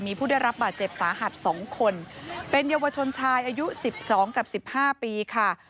มีผู้ได้รับบาดเจ็บสาหัส๒คนเป็นเยาวชนชายอายุ๑๒กับ๑๕ปีค่ะ